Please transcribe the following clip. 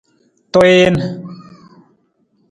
Tuwiin.